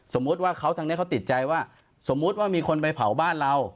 สมมุติว่าเขาทางนี้เขาติดใจว่าสมมุติว่ามีคนไปเผาบ้านเรา